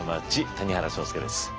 谷原章介です。